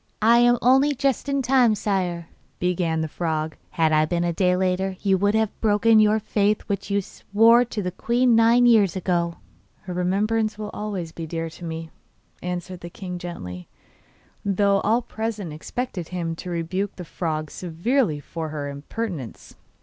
'I am only just in time, sire,' began the frog; 'had I been a day later you would have broken your faith which you swore to the queen nine years ago.' 'Her remembrance will always be dear to me,' answered the king gently, though all present expected him to rebuke the frog severely for her impertinence.